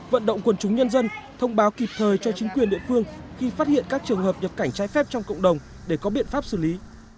vận động quần chúng nhân dân thông báo kịp thời cho chính quyền địa phương khi phát hiện các trường hợp nhập cảnh trái phép trong cộng đồng để có biện pháp xử lý